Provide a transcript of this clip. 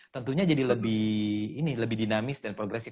tentunya jadi lebih ini lebih dinamis dan progresif